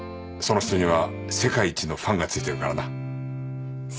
その人には世界一のファンがついてるからな。なあ？